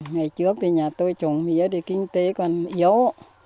ngày trước thì nhà tôi trồng mía thì kinh tế còn yếu